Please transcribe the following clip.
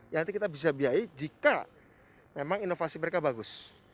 yang nanti kita bisa biayai jika memang inovasi mereka bagus